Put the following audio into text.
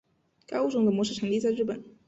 该物种的模式产地在日本。